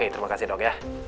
terima kasih dok ya